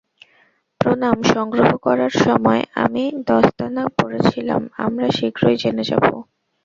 প্রমাণ সংগ্রহ করার সময় আমি দস্তানা পরেছিলাম আমরা শীঘ্রই জেনে যাবো।